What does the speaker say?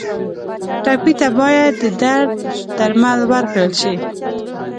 ټپي ته باید د درد درمل ورکړل شي.